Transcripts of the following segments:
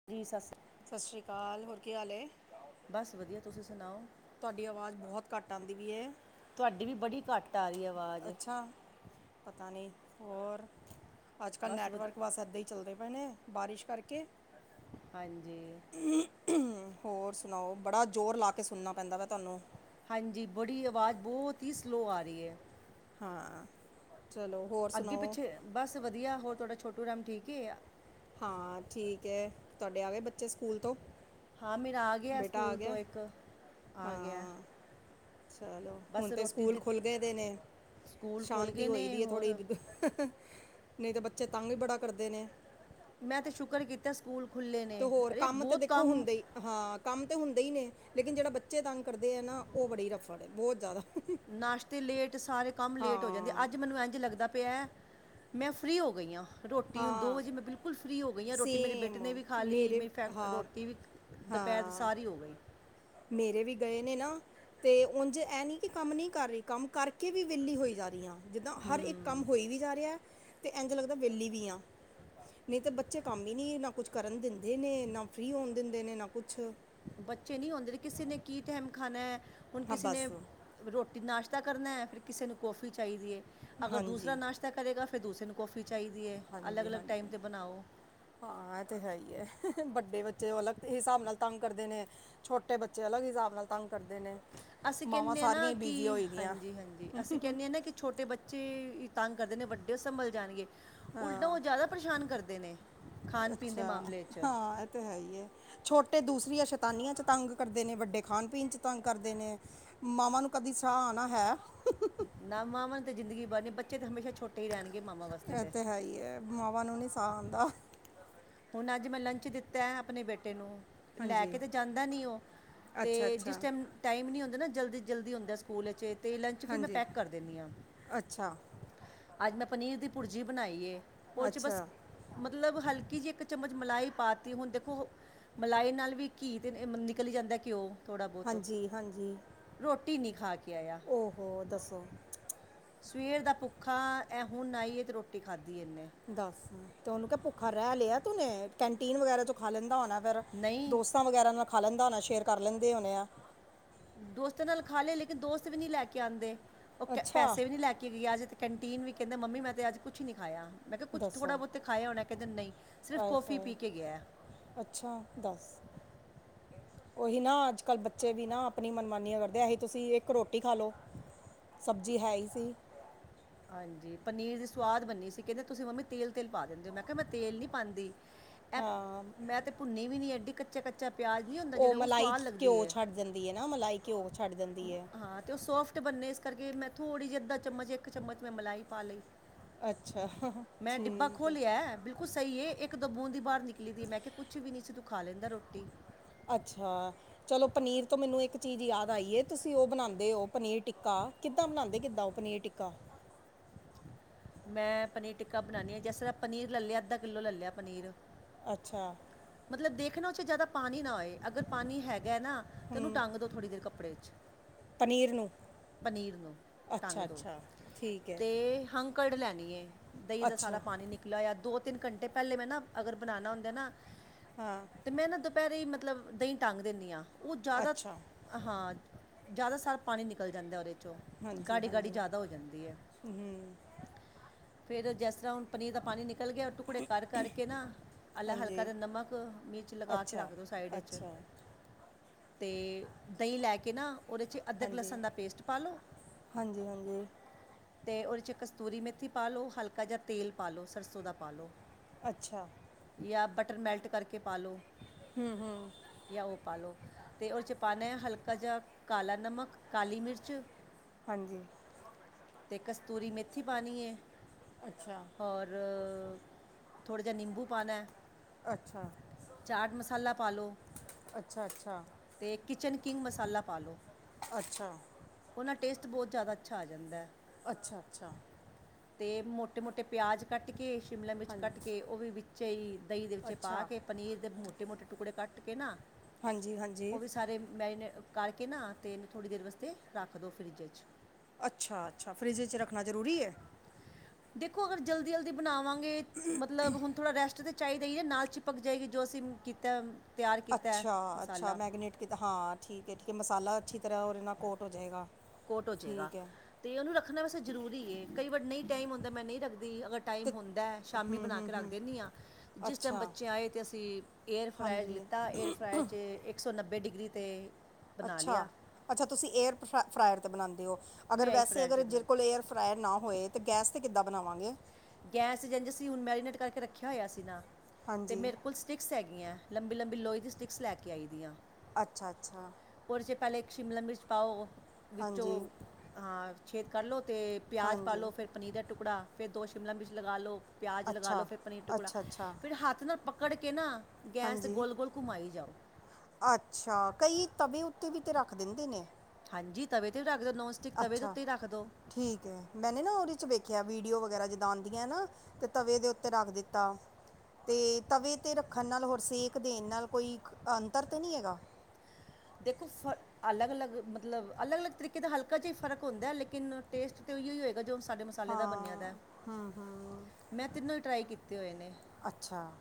[unintelligible] ਸਤਿ ਸ਼੍ਰੀ ਕਾਲ ਹੋਰ ਕੀ ਹਾਲ ਏ? ਬਸ ਵਧੀਆ ਤੁਸੀਂ ਸੁਣਾਓ ਤੁਹਾਡੀ ਅਵਾਜ਼ ਬਹੁਤ ਘੱਟ ਆਂਦੀ ਪਈ ਏ ਤੁਹਾਡੀ ਵੀ ਬੜੀ ਘੱਟ ਆ ਰੀ ਆ ਅੱਛਾ, ਪਤਾ ਨਈ ਹੋਰ ਅੱਜ-ਕੱਲ੍ਹ ਬਸ ਵਧ ਨੈਟਵਰਕ ਬਸ ਇੱਦਾਂ ਹੀ ਚੱਲਦੇ ਪਏ ਨੇ ਬਾਰਿਸ਼ ਕਰਕੇ। ਹਾਂਜੀ। ਹੋਰ ਸੁਣਾਓ? ਬੜਾ ਜ਼ੋਰ ਲਾ ਕੇ ਸੁਣਨਾ ਪੈਂਦਾ ਵੇ ਤੁਹਾਨੂੰ ਹਾਂਜੀ, ਬੜੀ ਆਵਾਜ਼ ਬਹੁਤ ਹੀ ਸਲੋਅ ਆ ਰਹੀ ਏ ਹਾਂ, ਚਲੋ‌। ਅੱਗੇ-ਪਿੱਛੇ ਬਸ ਵਧੀਆ ਹੋਰ ਤੁਹਾਡਾ ਛੋਟੂ ਰਾਮ ਠੀਕ ਏ ਹਾਂ ਠੀਕ ਐ ਤੁਹਾਡੇ ਆਗੇ ਬੱਚੇ ਸਕੂਲ ਤੋਂ ਹਾਂ ਮੇਰਾ ਆ ਗਿਆ ਬੇਟਾ ਆ ਸਕੂਲ ਤੋਂ ਗਿਆ ਇੱਕ, ਆ ਗਿਆ ਹਾਂ ਚਲੋ ਹੁਣ ਬਸ ਤੇ ਰੋਟੀ ਸਕੂਲ ਦੀ ਖੁੱਲ ਗਏ ਦੇ ਨੇ ਸਕੂਲ ਖੁੱਲ੍ਹ ਸ਼ਾਂਤੀ ਗਏ ਹੋ ਨੇ ਦੀ ਹੈ ਥੋੜ੍ਹੀ ਹੋਰ ਨਈ ਤੇ ਬੱਚੇ ਤੰਗ ਹੀ ਬੜਾ ਕਰਦੇ ਨੇ। ਮੈਂ ਤਾਂ ਸ਼ੁਕਰ ਕੀਤਾ ਸਕੂਲ ਖੁੱਲ੍ਹੇ ਤੇ ਨੇ ਹੋਰ ਅਰੇ ਕੰਮ ਤੇ ਬਹੁਤ ਦੇਖੋ ਕੰਮ ਹੁੰਦੇ ਹੀ ਹਾਂ ਕੰਮ ਤੇ ਹੁੰਦਾ ਹੀ ਨੇ, ਲੇਕਿਨ ਜਿਹੜਾ ਬੱਚੇ ਤੰਗ ਕਰਦੇ ਐ ਨਾ ਉਹ ਬੜੀ ਰਫੜ ਏ ਬਹੁਤ ਜਿਆਦਾ ਨਾਸ਼ਤੇ ਲੇਟ ਸਾਰੇ ਕੰਮ ਲੇਟ ਹੋ ਜਾਂਦੇ ਹਾਂ ਅੱਜ ਮੈਨੂੰ ਇੰਝ ਲੱਗਦਾ ਪੈ ਐ ਮੈਂ ਫ੍ਰੀ ਹੋ ਗਈ ਆ। ਰੋਟੀ ਹੁਣ ਦੋ ਹਾਂ ਵਜੇ ਮੈਂ ਬਿਲਕੁਲ ਫ੍ਰੀ ਹੋ ਗਈ ਆ ਰੋਟੀ ਮੇਰੇ ਬੇਟੇ ਨੇ ਸੇਮ ਵੀ ਖਾ ਲਈ ਮੇਰੇ ਮੇਰੀ ਫੈਕ ਹਾਂ ਰੋਟੀ ਵੀ ਦੁਪਹਿਰ ਦੀ ਹਾਂ ਸਾਰੀ ਹੋ ਗਈ। ਮੇਰੇ ਵੀ ਗਏ ਨੇ ਨਾ ਤੇ ਉਂਝ ਐ ਨੀਂ ਕਿ ਕੰਮ ਨਹੀਂ ਕਰ ਰਹੀ ਕੰਮ ਕਰਕੇ ਵੀ ਵੇਹਲੀ ਹੋਈ ਜਾ ਰੀ ਆ ਜਿੱਦਾਂ ਹਰ ਇੱਕ ਕੰਮ ਹੋਈ ਵੀ ਜਾ ਰਿਹਾ ਤੇ ਇੰਝ ਲੱਗਦਾ ਵੇਹਲੀ ਵੀ ਆ ਨਹੀਂ ਤਾਂ ਬੱਚੇ ਕੰਮ ਹੀ ਨੀਂ ਨਾ ਕੁਛ ਕਰਨ ਦਿੰਦੇ ਨੇ ਨਾ ਫ੍ਰੀ ਹੋਣ ਦਿੰਦੇ ਨੇ ਨਾ ਕੁਛ ਬੱਚੇ ਨੀਂ ਓਂਦੇ, ਕਿਸੇ ਨੇ ਕੀ ਟਾਈਮ ਖਾਨੈ, ਹੁਣ ਹਾਂ ਕਿਸੇ ਨੇ ਬਸ ਰੋਟੀ ਨਾਸ਼ਤਾ ਕਰਨੈ ਫੇਰ ਕਿਸੇ ਨੂੰ ਕੌਫੀ ਚਾਹੀਦੀ ਏ, ਅਗਰ ਦੂਸਰਾ ਹਾਂਜੀ ਨਾਸ਼ਤਾ ਤ ਤਾਂ ਕਰੇਗਾ, ਫੇਰ ਦੂਸਰੇ ਨੂੰ ਕੌਫੀ ਚਾਹੀਦੀਏ ਅਲੱਗ- ਹਾਂਜੀ ਅਲੱਗ ਟਾਈਮ ਹਾਂਜੀ 'ਤੇ ਬਨਾਓ। ਹਾਂ, ਐ ਤੇ ਹੈ ਈਏ। ਵੱਡੇ ਬੱਚੇ ਅਲੱਗ ਹਿਸਾਬ ਨਾਲ ਤੰਗ ਕਰਦੇ ਨੇ। ਛੋਟੇ ਬੱਚੇ ਅਲੱਗ ਹਿਸਾਬ ਨਾਲ ਤੰਗ ਕਰਦੇ ਨੇ। ਅਸੀਂ ਮਾਵਾਂ ਕੈਨੇਆਂ ਸਾਰੀਆਂ ਨਾ ਹੀ ਕਿ ਬਿਜ਼ੀ ਹੋਈ ਦੀਆਂ ਹਾਂਜੀ-ਹਾਂਜੀ, ਅਸੀਂ ਕੈਂਨੇ ਆਂ ਨਾ ਕਿ ਛੋਟੇ ਬੱਚੇ ਬੱਚੇ ਤੰਗ ਕਰਦੇ ਨੇ, ਵੱਡੇ ਸੰਭਲ ਜਾਣਗੇ- ਉਲਟਾ ਹਾਂ ਓ ਜਾਦਾ ਪਰੇਸ਼ਾਨ ਕਰਦੇ ਨੇ ਖਾਣ-ਪੀਣ ਦੇ ਅੱਛਾ ਮਾਮਲੇ ਚ। ਹਾਂ, ਐ ਤਾਂ ਹੈ ਈਏ। ਛੋਟੇ ਦੂਸਰੀਆਂ ਸ਼ੈਤਾਨੀਆਂ ਚ ਤੰਗ ਕਰਦੇ ਨੇ, ਵੱਡੇ ਖਾਣ ਪੀਣ 'ਚ ਤੰਗ ਕਰਦੇ ਨੇ। ਮਾਵਾਂ ਨੂੰ ਕਦੀ ਸਾਹ ਆਨਾ ਹੈ? ਨਾਂ ਮਾਵਾਂ ਨੂੰ ਤੇ ਜ਼ਿੰਦਗੀ ਭਰ ਨੀਂ, ਬੱਚੇ ਤਾਂ ਹੇਸ਼ਾ ਛੋਟੇ ਈ ਰੈਂਨ ਗੇ, ਮਮਾ ਐ ਤੇ ਹੈ ਈਏ, ਮਾਵਾਂ ਨੂੰ ਨੀਂ ਸਾਹ ਆਂਦਾ। ਹੁਣ ਅੱਜ ਮੈਂ ਲੰਚ ਦਿੱਤੈ ਅਪਣੇ ਬੇਟੇ ਨੂੰ ਲੈ ਹਾਂਜੀ ਕੇ ਤਾਂ ਜਾਂਦਾ ਨੀਂ ਓ, ਅੱਛਾ ਤੇ ਜਿਸ ਅੱਛਾ ਟੈਮ ਟਾਈਮ ਨੀਂ ਹੁੰਦਾ ਨਾ ਜਲਦੀ-ਜਲਦੀ ਹੁੰਦਾ ਸਕੂਲ 'ਚ ਤੇ ਲੰਚ ਫਿਰ ਮੈਂ ਹਾਂਜੀ ਪੈਕ ਕਰ ਦੇਨੀ ਆਂ। ਅੱਛਾ ਅੱਜ ਮੈਂ ਪਨੀਰ ਦੀ ਭੁਰਜੀ ਬਣਾਈ ਏ, ਉਹਦੇ 'ਚ ਬਸ ਅੱਛਾ ਮਤਲਬ ਹਲਕੀ ਜਿ ਏਕ ਚੱਮਚ ਮਲਾਈ ਪਾਤੀਏ ਹੂਣ ਦੇਖੋ, ਮਲਾਈ ਨਾਲ ਵੀ ਘੀ ਤੇ ਨਿਕਲ ਈ ਜਾਦਾਏ ਘਿਉ ਥੋੜਾ ਬੋਤ, ਹਾਂਜੀ ਰੋਟੀ ਨੀ ਖਾ ਕੇ ਆਯਾ। ਔਹੋ! ਦੱਸੋ ਸਵੇਰ ਦਾ ਪੂੱਖਾ, ਐ ਹੁਣ ਆਈ ਤੇ ਰੋਟੀ ਖਾਦੀ ਏ ਏਨੇ। ਦੱਸ, ਤੇ ਓਨੂ ਕੈ ਪੂੱਖਾ ਰੈ ਲਿਆ ਤੂਨੇ, ਕੈਂਟੀਨ ਵਗੈਰਾ ਚੋਂ ਖਾ ਲੈਂਦਾ ਹੋਣਾ ਫੇਰ। ਨਈਂ। ਤਾਂ ਵਗੈਰਾ ਨਾਲ ਖਾ ਲੈਂਦਾ ਹੋਣਾ, ਸ਼ੇਅਰ ਕਰ ਲੈਂਦੇ ਹੋਣੇ ਆ। ਦੋਸਤਾਂ ਨਾਲ ਖਾਲੇ, ਲੇਕਿਨ ਦੋਸਤ ਵੀ ਨੀ ਲੈ ਕੇ ਆਂਦੇ, ਔ ਕ ਅੱਛਾ ਪੈਸੇ ਵੀ ਨੀ ਲੈ ਕੇ ਗਏ ਅੱਜ। ਕਂਟੀਨ ਵਿ ਕੈਦਾ, ਮੰਮੀ ਮੈਂ ਤੇ ਅੱਜ ਕੁਛ ਨੀ ਖਾਯਾ, ਮੈਂ ਕੇਆ ਕੁੱਛ ਥੋੜਾ -ਬੋਤ ਤੇ ਖਾਯਾ ਹੋਣਾ ਕੈਂਦਾ ਨਈਂ। ਆਏ-ਹਾਏ! ਅੱਛਾ ਦੱਸ। ਓਹੀ ਨਾ ਅੱਜ-ਕੱਲ ਬੱਚੇ ਵੀ ਨਾ ਅਪਣੀ ਮਨਮਾਨੀਆਂ ਕਰਦੇ, ਐਹੀ ਤੁਸੀ ਏਕ ਰੋਟੀ ਖਾਲੋ। ਸਬਜ਼ੀ ਹੈ ਈ ਸੀ। ਹਾਂਜੀ, ਪਨੀਰ ਤੇ ਸਵਾਦ ਬਣੀ ਸੀ, ਕੈਂਦੇ ਤੁਸੀ ਮੰਮੀ ਤੇਲ-ਤੇਲ ਪਾ ਦਿੰਦੇ ਔ, ਮੈਂ ਕੇਆ ਮੈਂ ਤੇਲ ਨੀ ਪਾਂਂਦੀ। ਹਾਂ। ਭੁੰਨੇ ਵੀ ਨੀ ਏਡੀ, ਕੱਚਾ-ਕੱਚਾ ਪਿਆਜ ਨੀ ਹੁੰਦਾ ਜੇੜਾ ਓ ਸੁਵਾਦ ਲੱਗਦੀ ਏ। ਜਾਂਦੀ ਏ ਨਾ ਮਲਾਈ ਘੀਓ ਛੱਡ ਦਿਂਦੀ ਏ। ਹਾਂ, ਤੇ ਓੱ ਸੋਫਟ ਬਨੇ ਏਸ ਕਰਕੇ ਮੈਂ ਥੋੜ੍ਹੀ ਜਿ ਅੱਧਾ ਚਮਚ ਏਕ ਚੱਮਚ ਮੈਂ ਮਲਾਈ ਪਾ ਲਈ। ਅੱਛਾ ਮੈਂ ਡਿੱਬਾ ਠੀਕ ਹੈ ਖੋਲੇਆ ਬਿਲ ਕੂਲ ਸਈ ਏ, ਐਕ ਦੋ ਬੂੰਦ ਈ ਬਾਰ ਨਿਕਲੀ ਦੀ ਏ ਮੈਂ ਕੇਯਾ, ਕੁਛ ਵੀ ਨੀ ਸੀ ਤੂੰ ਖਾ ਲੈਂਦਾ ਰੋਟੀ। ਅੱਛਾ, ਚਲੋ ਪਨੀਰ ਤੋਂ ਮੈਨੂੰ ਏਕ ਚੀਜ ਯਾਦ ਆਈ ਏ ਤੁਸੀਂ ਓ ਬਣਾਂਦੇ ਔ ਪਨੀਰ ਟਿੱਕਾ ਕਿੱਦਾਂ, ਬਣਾਂਦੇ ਕਿੱਦਾਂ ਓ ਪਨੀਰ ਟਿੱਕਾ? ਮੈਂ ਪਨੀਰ ਟਿੱਕਾ ਬਣਾਨੀ ਆਂ ਜੈਸੇ ਪਨੀਰ ਲੈ ਲਿਆ ਅੱਦਾ ਕਿੱਲੋ ਲੈ ਲੇਆ ਪਨੀਰ ਅੱਛਾ। ਮਤਲਬ ਦੇਖਨਾ ਓਦੇ ਚ ਜਾਦਾ ਪਾਣੀ ਨਾ ਆਏ, ਅਗਰ ਪਾਣੀ ਹੈਗਾ ਨਾ ਤੇ ਓਨੂ ਹਮ, ਟਂਗ ਦੋ। ਥੋੜੀ ਦੇਰ ਕੱਪੜੇ ਚ ਪਨੀਰ ਨੂੰ ਪਨੀਰ ਨੂੰ ਟਂਗ ਅੱਛਾ ਦੋ, ਅੱਛਾ ਠੀਕ ਹੈ ਤੇ ਹੰ ਕਡ ਲੈਨੀ ਏ, ਦਈ ਦਾ ਸਾਰਾ ਅੱਛਾ ਪਾਣੀ ਨਿਕ ਲਆ ਦੋ -ਤਿੰਨ ਕਂਟੇ ਪੈਲੇ ਮੈਂ ਨਾ, ਅਗਰ ਬਣਾਣਾ ਉਂਂਦਾ ਨਾ ਹਾਂ। ਤੇ ਮੈਂ ਨਾ, ਦੁਪੈਰੇ ਈ ਮਤਲਬ ਦਈ ਟੰਗ ਦਿੰਨੀ ਆਂ, ਉ ਜਾਦਾ ਅੱਛਾ ਅ ਹਾਂ, ਜ਼ਆਦਾ ਸਾਰਾ ਪਾਣੀ ਨਿਕਲ ਜਾਂਦਾ ਔਦੇ 'ਚ ਹਾਂਜੀ, ਹਾਂਜੀ ਔ -ਅ ਹੂੱ ਫੇਰ, ਜੈਸ ਰ੍ਹਾ ਹੁਣ ਪਨੀਰ ਦਾ ਪਾਣੀ ਨਿਕਲ ਗਿਆ, ਟੁ ਟੁਕੜੇ ਕਰ -ਕਰਕੇ ਨਾ ਅਲਾ ਹਲਕਾ ਹਾਂਜੀ ਜ ਨਮਕ- ਮਿਰਚ ਲਗਾ ਕੇ, ਅੱਛਾ ਰੱਖਦੋ ਸਾਈਡ ਚ ਅੱਛਾ ਤੇ ਦਈ ਲੈ ਕੇ ਨਾ, ਔਦੇ 'ਚ ਅਦਰਕ ਹਾਂਜੀ -ਲਸਣ ਦਾ ਪੇਸਟ ਪਾ ਲੋ ਹਾਂਜੀ ਹਾਂਜੀ ਤੇ ਔਦੇ 'ਚ ਕਸਤੂਰੀ ਮੇਥੀ ਪਾ ਲੋ ਹਲਕਾ ਜਿਯਾ ਤੇਲ ਪਾ ਲੋ ਸਰਸੋਂ ਦਾ ਪਾ ਲੋ! ਅੱਛਾ। ਯਾ ਬਟਰ ਮੈਲਟ ਕਰਕੇ ਪਾਲੋ ਹੂੱ- ਹੂੱ। ਯਾ ਔ ਪਾਲੋ ਤੇ ਔਦੇ 'ਚ ਪਾਣਾ ਏ ਹਲਕਾ ਜਿਯਾ ਕਾਲਾ ਨਮਕ -ਕਾਲੀ ਮਿਰਚ ਹਂਜੀ। ਤੇ ਕਸਤੂਰੀ ਮੇਥੀ ਪਾਣੀ ਏ ਅਛਾ ਔਰ ਥੋੜ੍ ਜਿਯਾ ਨਿੰਬੂ ਪਾਣੈ। ਅੱਛਾ ਚਾਟ ਮਸਾਲਾ ਪਾਲੋ। ਅੱਛਾ ਅੱਛਾ ਤੇ ਕਿਚਨ ਕਿੰਗ ਮਸਾਲਾ ਪਾਲੋ। ਅਛਾ। ਉਹਨਾਂ ਟੇਸਟ ਬਹੁਤ ਜ਼ਿਆਦਾ ਅੱਛਾ ਆ ਜਾਂਦਾ। ਅੱਛਾ, ਅੱਛਾ। ਅਤੇ ਮੋਟੇ, ਮੋਟੇ ਪਿਆਜ਼ ਕੱਟ ਕੇ, ਸ਼ਿਮਲਾ ਮਿਰਚ ਕੱਟ ਹਾਂਜੀ ਕੇ, ਉਹ ਵੀ ਵਿੱਚ ਹੀ ਦਹੀਂ ਦੇ ਵਿੱਚ ਪਾ ਅੱਛਾ ਕੇ। ਪਨੀਰ ਦੇ ਮੋਟੇ, ਮੋਟੇ ਟੁਕੜੇ ਕੱਟ ਕੇ ਨਾ ਹਾਂਜੀ ਹਾਂਜੀ ਉਹ ਵੀ ਸਾਰੇ ਮੈਂਰੀਨੇ ਕਰਕੇ ਨਾ ਅਤੇ ਇਹਨੂੰ ਥੋੜ੍ਹੀ ਦੇਰ ਵਾਸਤੇ ਰੱਖ ਦਿਉ ਫਰਿੱਜਰ 'ਚ। ਅੱਛਾ, ਅੱਛਾ ਫਰਿੱਜ 'ਚ ਰੱਖਣਾ ਜ਼ਰੂਰੀ ਹੈ। ਦੇਖੋ ਅਗਰ ਜਲਦੀ, ਜਲਦੀ ਬਣਾਵਾਂਗੇ। ਮਤਲਬ ਹੁਣ ਥੋੜ੍ਹਾ ਰੈਸਟ ਤਾਂ ਚਾਹੀਦਾ ਹੀ ਨਾ ਨਾਲ ਚਿਪਕ ਜਾਏਗੀ ਜੋ ਅਸੀਂ ਕੀਤਾ ਏ। ਅੱਛਾ, ਅੱਛਾ ਮੈਰਿਨੇਟ ਕੀਤਾ ਹਾਂ ਠੀਕ ਹੈ, ਠੀਕ ਹੈ ਮਸਾਲਾ ਅੱਛੀ ਤਰ੍ਹਾਂ ਔਰ ਇਹ ਨਾਲ ਕੋਟ ਹੋ ਜਾਵੇਗਾ। ਕੋਟ ਹੋ ਜਾਏਗਾ। ਤੇ ਉਹਨੂੰ ਰੱਖਣਾ ਵੈਸੇ ਜ਼ਰੂਰੀ ਹੈ, ਕਈ ਵਾਰ ਨਹੀਂ ਟਾਈਮ ਹੁੰਦਾ ਮੈਂ ਨਹੀਂ ਰੱਖਦੀ, ਅਗਰ ਟਾਈਮ ਤੇ ਹੁੰਦਾ ਸ਼ਾਮੀ ਬਣਾ ਕੇ ਰੱਖ ਦਿੰਦੀ ਆ, ਜਿਸ ਟਾਈਮ ਅੱਛਾ ਬੱਚੇ ਆਏ ਅਤੇ ਅਸੀਂ ਏਅਰਫਰਾਈ ਹਾਂਜੀ ਲਿੱਤਾ ਏਅਰਫਰਾਈ 'ਚ ਇੱਕ ਇੱਕ ਸੌ ਨੱਬੇ ਡਿਗਰੀ 'ਤੇ ਬਣਾ ਅੱਛਾ, ਲਿਆ ਅੱਛਾ ਤੁਸੀਂ ਏਅਰ ਫ ਫਰਾਇਰ 'ਤੇ ਬਣਾਉਂਦੇ ਹੋ, ਅਗਰ ਮੈਂ ਵੈਸੇ ਫਰਾਇਰ ਅਗਰ 'ਚ ਜੇ ਬਣਾ ਕੋਲ ਏਅਰ ਫਰਾਇਰ ਨਾ ਹੋਏ ਤੇ ਗੈਸ ਤੇ ਕਿੱਦਾਂ ਬਣਾਵਾਂਗੇ? ਗੈਸ ਤੇ ਜੇ ਅਸੀਂ ਹੁਣ ਮੈਰੀਨੇਟ ਕਰਕੇ ਰੱਖਿਆ ਹੋਇਆ ਸੀ ਨਾ ਤੇ ਹਾਂਜੀ ਮੇਰੇ ਕੋਲ ਸਟਿਕਸ ਹੈਗੀਆਂ ਲੰਬੀ, ਲੰਬੀ ਲੋਹੇ ਦੀ ਸਟਿਕਸ ਲੈ ਕੇ ਆਈ ਦੀਆਂ। ਅੱਛਾ, ਅੱਛਾ। ਉਹਦੇ 'ਚ ਪਹਿਲਾਂ ਇੱਕ ਸ਼ਿਮਲਾ ਮਿਰਚ ਪਾਓ ਹਾਂਜੀ ਵਿੱਚੋਂ ਹਾਂ ਛੇਦ ਕਰ ਲਓ ਤੇ ਪਿਆਜ਼ ਪਾ ਹਾਂਜੀ ਲਉ, ਫਿਰ ਪਨੀਰ ਦਾ ਟੁਕੜਾ, ਫਿਰ ਦੋ ਸ਼ਿਮਲਾ ਮਿਰਚ ਲਗਾ ਲਉ। ਪਿਆਜ ਲਗਾ ਲੋ ਅੱਛਾ ਫਿਰ ਪਨੀਰ-ਟੁਕੜਾ ਅੱਛਾ ਅੱਛਾ ਫਿਰ ਹੱਥ ਨਾ ਪਕੜ ਕੇ ਨਾ ਗੈਸ ਤੇ ਹਾਂਜੀ ਗੋਲ-ਗੋਲ ਘੁੰਮਾਈ ਜਾਓ। ਅੱਛਾ ਕਈ ਤਵੈ ਉੱਤੇ ਵੀ ਤੇ ਰੱਖ ਦਿੰਦੇ ਨੇ। ਹਾਂਜੀ ਤਵੇ ਤੇ ਵੀ ਰੱਖ ਦੋ, ਨੋਨਸਟਿਕ ਤਵੇ ਦੇ ਅੱਛਾ ਉੱਤੇ ਈ ਰੱਖ ਦੋ। ਠੀਕ ਐ ਮੈਨੇ ਨਾ ਓਦੇ ਚ ਵੇਖੇਆ ਵੀਡੀਓ ਵਗੈਰਾ ਜਿੱਦਾਂ ਆਂਦੀਆਂ ਐ ਨਾ। ਤੇ ਤਵੇ ਦੇ ਉੱਤੇ ਰੱਖ ਦਿੱਤਾ। ਤੇ ਤਵੇ ਤੇ ਰੱਖਨ ਨਾਲ, ਹੋਰ ਸੇਕ ਦੇਨ ਨਾਲ ਕੋਈ ਅੰਤਰ ਤੇ ਨੀ ਹੈਗਾ। ਦੇਖੋ ਫ ਅਲੱਗ-ਅਲੱਗ ਮਤਲਬ ਅਲੱਗ-ਅਲੱਗ ਤਰੀਕੇ ਦਾ ਹਲਕਾ ਜਿਆ ਈ ਫ਼ਰਕ ਹੁੰਦਾ, ਲੇਕਿਨ ਟੇਸਟ ਤੇ ਓਈਓ ਹੋਏਗਾ ਜੋ ਸਾਡੇ ਮ ਮਸਾਲੇ ਦਾ ਹਾਂ ਬਨਿਆ ਦਾ, ਹੂੰ ਹੂੰ ਮੈਂ ਤਿੰਨੋ ਈ ਟਰਾਈ ਕੀਤੇ ਹੋਏ ਨੇ। ਅੱਛਾ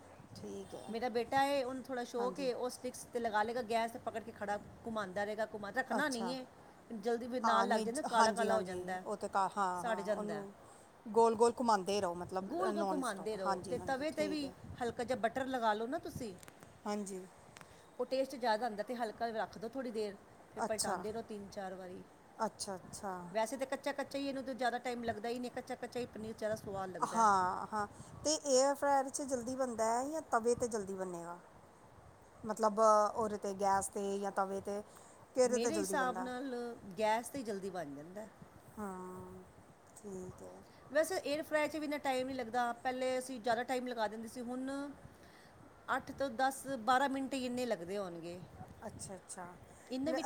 ਠੀਕ ਹੈ ਮੇਰਾ ਬੇਟਾ ਐ ਓਨੂੰ ਥੋੜਾ ਸ਼ੌਕ ਹਾਂਜੀ ਏ, ਓ ਸਟਿਕਸ ਤੇ ਲਗਾ ਲੇਗਾ ਗੈਸ ਤੇ ਪਕੜ ਕੇ। ਖੜਾ ਘੁੰਮਾਦਾ ਰਏਗਾ। ਘੁੰਮਾ ਰੱਖਨਾ ਨੀ ਅੱਛਾ ਏ ਜਲਦੀ ਫੇ ਹਾਂ ਨਾਲ ਲੱਗ ਨਹੀਂ ਜ- ਜਾਂਦਾ ਹਾਂਜੀ ਕਾਲਾ-ਕਾਲਾ ਹੋ ਹਾਂਜੀ ਜਾਂਦੈ ਸੜ ਜਾਂਦੈ। ਗੋਲ-ਗੋਲ ਘੁਮਾਂਦੇ ਰਓ ਮਤ ਗੋਲ-ਗੋਲ ਘੁਮਾਂਦੇ ਰਓ ਤੇ ਤਵੇ ਤੇ ਵੀ ਹੈ ਹਲਕਾ ਜਾ ਬਟਰ ਲਗਾ ਲੋ ਨਾ ਤੁਸੀਂ। ਹਾਂਜੀ। ਓ ਟੇਸਟ ਜਾਅਦਾ ਆਂਦਾ ਤੇ ਹਲਕਾ ਜਾ ਰੱਖ ਦੋ ਥੋੜੀ ਦੇਰ। ਫਿਰ ਅੱਛਾ ਪਲਟਾਂਦੇ ਰਓ ਤਿੰਨ-ਚਾਰ ਵਾਰੀ, ਅੱਛਾ ਅੱਛਾ ਵੈਸੇ ਤਾਂ ਕੱ ਕੱਚਾ-ਕੱਚਾ ਏਨੂੰ ਤੇ ਜ਼ਾਅਦਾ ਟਾਈਮ ਲੱਗਦਾ ਈ ਨਈਂ ਐ, ਕੱਚਾ-ਕੱਚਾ ਪਨੀਰ ਜਾਅਦਾ ਸਵਾਦ ਲੱਗਦਾ ਹੈ। ਹਾਂ-ਹਾਂ ਤੇ ਏਅਰ ਫਰਾਇਰ ਚ ਜਲਦੀ ਬਨਦਾ ਐ ਯਾ ਤਵੇ ਤੇ ਜਲਦੀ ਬਨੇਗਾ। ਮਤਲਬ ਓਦੇ ਤੇ ਗੈਸ ਤੇ ਯਾ ਤਵੇ ਤੇ ਕਿਦੇ ਤੇ ਮੇਰੇ ਜਲਦੀ ਹਿਸਾਬ ਬਨਦਾ? ਨਾਲ ਗੈਸ ਤੇ ਈ ਜਲਦੀ ਬਨ ਜਾਂਦੈ। ਹਾਂ, ਠੀਕ ਐ। ਵੈਸੇ ਏਅਰ ਫਰਾਈਰ ਚ ਵੀ ਏਨਾ ਟਾਈਮ ਨੀ ਲੱਗਦਾ, ਪੈਲੇ ਅਸੀਂ ਜ਼ਾਅਦਾ ਟਾਈਮ ਲਗਾ ਦਿੰਦੇ ਸੀ ਹੁਨ ਅੱਠ ਤੋਂ ਦਸ-ਬਾਰਾਂ ਮਿੰਟ ਈ ਇੰਨੇ ਲੱਗਦੇ ਹੋਨਗੇ। ਅੱਛਾ-ਅੱਛਾ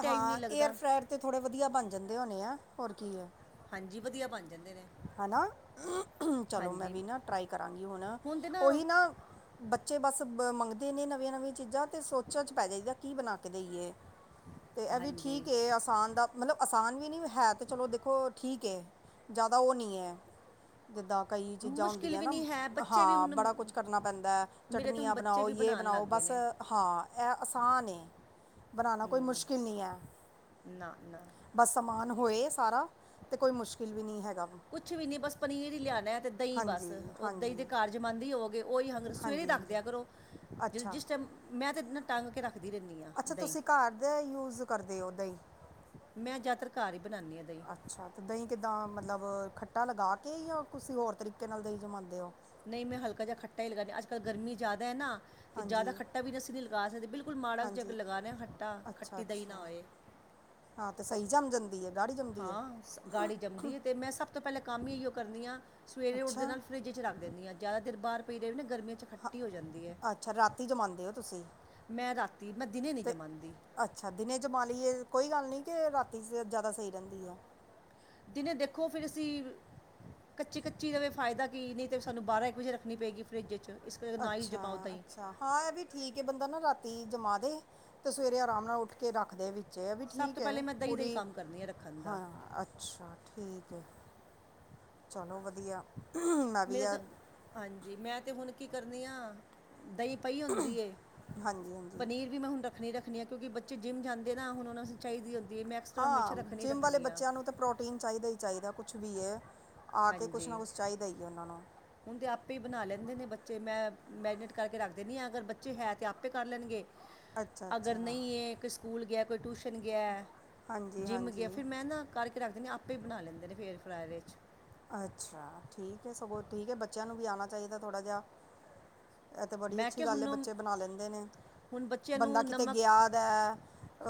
ਹਾਂ ਏਅਰ ਲੱਗਦਾ ਫਰਾਇਅਰ ਤੇ ਥੋੜੇ ਵਦੀਆ ਬਨ ਜਾਂਦੇ ਹੋਨੇ ਆ, ਹੋਰ ਕੀ ਐ। ਹਾਂਜੀ, ਵਦੀਆ ਬਨ ਜਾਂਦੇ ਨੇ। ਹਨਾਂ, ਚਲੋ ਮੈਂ ਹਾਂਜੀ ਵੀ ਨਾ ਟਰਾਈ ਕਰਾਂਗੀ ਹੁਨ ਹੁਣ ਤੇ ਓਹੀ ਨਾ ਬੱਚੇ ਬਸ ਮੰਗਦੇ ਨੇ ਨਵੀਆਂ-ਨਵੀਆਂਂ ਚੀਜ਼ਾਂ ਤੇ ਸੋਚਾਂ ਚ ਪੈ ਜਾਈਦਾ ਕੀ ਬਨਾ ਕੇ ਦੇਈਏ। ਤੇ ਐ ਵੀ ਹਾਂਜੀ ਠੀਕ ਐ ਆਸਾਨ ਦਾ ਮਤਲਬ ਆਸਾਨ ਵੀ ਨੀ ਹੈ ਤੇ ਚਲੋ ਦੇਖੋ ਠੀਕ ਐ। ਜ਼ਾਅਦਾ ਓ ਨੀ ਐ। ਜਿੱਦਾਂ ਕਈ ਚੀਜ਼ਾਂ ਮੁਸ਼ਕਿਲ ਹੁੰਦੀਆਂ ਵੀ ਨਾ ਨਹੀਂ ਹੈ ਬੱਚੇ ਵੀ ਹਾਂ ਹੁਣ ਬੜਾ ਕੁਛ ਕਰਨਾ ਪੈਂਦਾ ਐ ਮੇਰੇ ਤਾਂ ਹੁਣ ਚਟਨੀਆਂ ਬੱਚੇ ਬਨਾਓ ਵੀ ਯੇ ਬਣਾਉਣ ਬਨਾਓ। ਲੱਗ ਗਏ ਬਸ ਨੇ ਹਾਂ ਐ ਆਸਾਨ ਐ ਬਨਾਨਾ ਕੋਈ ਮੁਸ਼ਕਿਲ ਨੀ ਐ। ਨਾ ਨਾ ਬਸ ਸਮਾਨ ਹੋਏ ਸਾਰਾ ਤੇ ਕੋਈ ਮੁਸ਼ਕਿਲ ਵੀ ਨੀ ਹੈਗਾ ਕੁਛ ਵੀ ਨੀ ਬਸ ਪਨੀਰ ਈ ਲਿਆਨੈ ਤੇ ਦਈਂ ਬਸ, ਹਾਂਜੀ ਓ ਦਈਂ ਹਾਂਜੀ ਤੇ ਘਰ ਜੰਮਾਂਦੇ ਈ ਹੋਵੋ ਗੇ। ਓਈ ਹੰਗਰ ਸਵੇਰੇ ਈ ਹਾਂਜੀ ਹਾਂਜੀ ਰੱਖਦੇਆਂ ਕਰੋ ਜਦੋਂ ਅੱਛਾ ਜਿਸ ਟਾਈਮ ਮੈਂ ਤਾਂ ਨਾ ਟੰਗ ਕੇ ਰੱਖਦੀ ਰੈਨੀ ਆਂ। ਅੱਛਾ, ਤੁਸੀਂ ਘਰ ਦੇ ਯੂਜ਼ ਕਰਦੇ ਓ ਦਈਂ। ਮੈਂ ਜਾਦਾਤਰ ਘਰ ਈ ਬਨਾਨੀ ਆਂ ਦਈਂ। ਅੱਛਾ ਤੇ ਦਈਂ ਕਿੱਦਾਂ ਮਤਲਬ ਖੱਟਾ ਲਗਾ ਕੇ ਯਾ ਤੁਸੀ ਹੋਰ ਤਰੀਕੇ ਨਾਲ ਦਈਂ ਜਮਾਂਦੇ ਓ? ਨਈਂ ਮੈਂ ਹਲਕਾ ਜਾ ਖੱਟਾ ਈ ਲਗਾਨੀ ਆ, ਅੱਜ-ਕੱਲ ਗਰਮੀ ਜ਼ਾਅਦਾ ਐ ਨਾ। ਤੇ ਜ਼ਾਅਦਾ ਹਾਂਜੀ ਖੱਟਾ ਵੀ ਨੀ ਅਸੀਂ ਨੀ ਲਗਾ ਸਕਦੇ ਬਿਲਕੁਲ ਮਾੜਾ ਜਾ ਜਾਗ ਹਾਂਜੀ ਲਗਾਨਾ ਖੱਟਾ, ਅੱਛਾ ਖੱਟੀ ਦਈਂ ਨਾ ਅੱਛਾ ਹੋਏ। ਹਾਂ ਤੇ ਸਈ ਜੰਮ ਜਾਂਦੀ ਐ? ਹਾਂ ਗਾੜੀ ਜੰਮਦੀ ਐ ਤੇ ਮੈਂ ਸਬ ਤੋਂ ਪੈਲਾਂ ਕੰਮ ਈ ਏਈ ਓ ਕਰਨੀ ਆਂ। ਸਵੇਰੇ ਉੱਠਦੇ ਅੱਛਾ ਨਾਲ ਫਰਿੱਜ ਚ ਰੱਖ ਦੇਨੀ ਆਂ ਜ਼ਾਅਦਾ ਦੇਰ ਬਾਰ ਪਈ ਰੇਵੇ ਨਾ ਗਰਮੀਆਂ ਚ ਖੱਟੀ ਹੋ ਜਾਂਦੀ ਐ। ਅੱਛਾ, ਰਾਤੀ ਜਮਾਂਦੇ ਓ ਤੁਸੀਂ। ਮੈਂ ਰਾਤੀ ਮੈਂ ਦਿਨੇ ਨੀ ਅਤੇ ਜਮਾਂਦੀ। ਅੱਛਾ ਦਿਨੇ ਜਮਾ ਲਈਏ ਕੋਈ ਗੱਲ ਨੀ ਕੇ ਰਾਤੀ ਜ਼ਿਆਦਾ ਸਈ ਰੈਹੰਦੀ ਐ। ਦਿਨੇ ਦੇਖੋ ਫਿਰ ਅਸੀਂ। ਕੱਚੀ-ਕੱਚੀ ਰਵੇ ਫਾਏਦਾ ਕੀ ਨਂਈ ਤੇ ਸਾਨੂੰ ਬਾਰਾਂ-ਇੱਕ ਵਜੇ ਰੱਖਣੀ ਪਏਗੀ ਫਰਿੱਜ ਵਿੱਚ। ਅੱਛਾ-ਅੱਛਾ। ਹਾਂ ਐ ਵੀ ਠੀਕ ਏ ਬੰਦਾ ਨਾ ਰਾਤੀ ਜਮਾ ਦੇ, ਤੇ ਸਵੇਰੇ ਆਰਾਮ ਨਾਲ ਉੱਠ ਕੇ ਰੱਖ ਦੇਵੇ। ਅੱਛਾ ਏਹ ਵੀ ਸਭ ਠੀਕ ਤੋਂ ਐ ਪਹਿਲੇ ਮੈਂ ਦਹੀਂ ਦਾ ਹੀ ਪੂਰੀ, ਕੰਮ ਕਰਨੀ ਹੈ ਰੱਖਣ ਦਾ ਹਾਂ ਅੱ ਅੱਛਾ ਠੀਕ ਐ, ਚਲੋ ਵਧੀਆ। ਮੈਂ ਵੀ ਮੇਰੇ ਆ ਤੋਂ, ਹਾਂਜੀ ਮੈਂ ਤੇ ਹੁਣ ਕੀ ਕਰਨੀ ਆਂ। ਦਹੀਂ ਪਈ ਹੋਂਦੀ ਏ, ਹਾਂਜੀ ਹਾਂਜੀ ਪਨੀਰ ਵੀ ਮੈਂ ਹੁੰਨ ਰ। ਰੱਖਣੀ-ਰੱਖਣੀ ਐ ਕਿਉਂਕਿ ਬੱਚੇ ਜਿਮ ਜਾਂਦੇ ਨਾ ਹੁਣ ਉਹਨਾ ਆਸੇ ਚਹੀਦੀ ਹੋਂਦੀ ਐ। ਮੈਂ ਐਕਸਟਰਾ ਹਮੇਸ਼ਾ ਹਾਂ ਰੱਖਣੀ ਜਿੰਮ ਵਾਲੇ ਰੱਖਣੀ ਆ ਬੱਚੇਆਂ ਨੂੰ ਤਾਂ ਪ੍ਰੋ ਟੀਨ ਚਾਈਦਾ ਈ ਚਾਈਦਾ ਕੁਛ ਵੀ ਐ, ਆ ਕੇ ਕੁਛ ਹਾਂਜੀ ਨਾ ਕੁਛ ਚਾਈਦਾ ਈ ਐ ਓੱਨਾਂ ਨੂੰ। ਹੁਣ ਤੇ ਆਪੇ ਈ ਬਣਾ ਲੈਂਦੇ ਨੇ ਬੱਚੇ, ਮੈਂ ਮੈਰੀਨੇਟ ਕਰਕੇ ਰੱਖ ਦੇਨੀ ਆ, ਅਗਰ ਬੱਚੇ ਹੈ ਤੇ ਆਪੇ ਕਰ ਲੈਣਗੇ। ਅੱਛਾ ਅਗਰ ਅੱਛਾ ਨਂਈ ਏਹ ਕਿਸ ਸਕੂਲ ਗੇਆ, ਕੋਈ ਟਿਊਸ਼ਨ ਗਿਆ, ਹਾਂਜੀ ਜਿੰਮ ਗਿਆ, ਹਾਂਜੀ ਫਿਰ ਮੈਂ ਨਾ ਕਰਕੇ ਫੇਰ ਰੱਖ ਦੇਂਦੀਆ ਆਪੇ ਈ ਬਣਾ ਲੈਂਦੇ ਨੇ ਫਿਰ ਫਰਾਏਰ ਚ। ਅੱਛਾ, ਠੀਕ ਐ ਸਗੋਂ ਠੀਕ ਐ ਬੱਚੇਆਂ ਨੂੰ ਵੀ ਆਣਾ ਚਾਈਦੈ ਥੋੜਾ ਜੇਹਾ। ਏਹ ਤਾਂ ਬੜੀ ਮੈਂ ਅੱਛੀ ਕਿਹਾ ਗੱਲ ਐ ਹੁਣ ਬੱਚੇ ਬਣਾ ਲੈਂਦੇ ਨੇ, ਹੁਣ ਬੱਚਿਆਂ ਬੰਦਾ ਨੂੰ ਕਿਤੇ ਨਮਕ ਗੇਆ ਦੈ।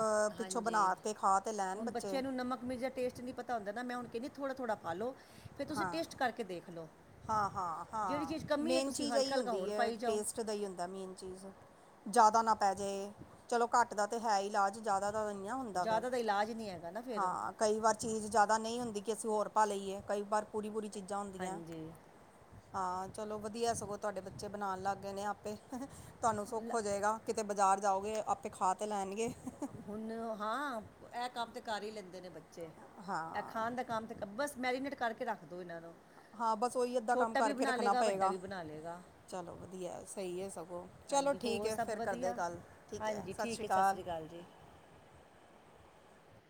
ਅ ਪਿੱਛੋਂ ਬਣਾ ਕੇ ਖਾ ਤੇ ਲੈਣ ਬੱਚੇ। ਨਮਕ-ਮਿਰਚ ਦਾ ਟੇਸਟ ਨੀ ਪਤ ਤਾਂ ਹੁੰਦਾ ਨਾ ਮੈਂ ਹੁਣ ਕੈਹੰਣੀ ਥੋੜ੍ਹਾ-ਥੋੜ੍ਹਾ ਪਾਲੋ ਫਿਰ ਤੁਸੀਂ ਟੇਸਟ ਕਰਕੇ ਦੇਖ ਲੋ। ਹਾਂ-ਹਾਂ, ਹਾਂ ਮੇਨ ਚੀਜ਼ ਹਲਕਾ ਏਈਓ ਹਲਕਾ ਹੁੰਦੀ ਹੋਰ ਐ ਪਾਈ ਜਾਓ ਟੇਸਟ। ਦਾ ਹੀ ਹੁੰਦਾ ਮੇਨ ਚੀਜ਼, ਜ਼ਿਆਦਾ ਨਾ ਪੈ ਜੇ, ਚਲੋ ਘੱਟ ਦਾ ਤੇ ਹੈ ਇਲਾਜ। ਜ਼ਿਆਦਾ ਤਾਂ ਨਂਈ ਨਾ ਹੁੰਦਾ ਫੇਰ, ਜ਼ਿਆਦਾ ਦਾ ਇਲਾਜ ਨਹੀਂ ਹੈਗਾ ਨਾ ਫਿਰ ਹਾਂ। ਕਈ ਵਾਰ ਚੀਜ਼ ਜਾ਼ਦਾ ਨਂਈ ਹੁੰਦੀ ਕਿ ਅਸੀਂ ਹੋਰ ਪਾ ਲਈਏ ਕਈ ਵਾਰ ਪੂਰੀ-ਪੂਰੀ ਚੀਜ਼ਾਂ ਹੋਂਦੀਐਂ। ਹਾਂਜੀ ਹਾਂ ਚਲੋ ਵਦੀਆ ਸਗੋਂ ਤੁਆਡੇ ਬੱਚੇ ਬਣਾਣ ਲੱਗ ਗਏ ਨੇ ਆਪੇ, ਤੁਆਨੂੰ ਸੁਖ ਹੋ ਜਏਗਾ। ਕਿਤੇ ਬਾਜ਼ਾਰ ਜਾਓਗੇ ਆਪੇ ਖਾ ਤੇ ਲੈਣਗੇ। ਹੁਣ ਹਾਂ, ਐ ਕੰਮ ਤੇ ਕਰ ਈ ਲੈਂਦੇ ਨੇ ਬੱਚੇ ਐ ਹਾਂ ਖਾਣ ਦਾ। ਕੰਮ ਤੇ ਬਸ ਮੈਰੀਨੇਟ ਕਰਕੇ ਰੱਖ ਦੋ ਇੱਨਾਂ ਨੂੰ। ਹਾਂ ਬਸ ਓਹੀ ਅੱਧਾ ਕੰਮ ਛੋਟਾ ਵੀ ਕਰਕੇ ਬਣਾ ਰੱਖਣਾ ਲੇਗਾ ਵੱਡਾ ਪਏਗਾ। ਵੀ ਬਣਾ ਲੇਗਾ ਚਲੋ ਵਧੀਆ ਸਈ ਐ ਸਗੋਂ, ਚਲੋ ਹਾਂਜੀ ਠੀਕ ਹੋਰ ਐ ਸਭ ਫੇਰ ਕਰਦੇ ਵਧੀਆ ਗੱਲ ਠੀਕ ਐ, ਸਸ਼ ਸ਼੍ਰੀ ਠੀਕ ਹੈ ਸਤਿ ਕਾਲ। ਸ੍ਰੀ ਹਾਂਜੀ।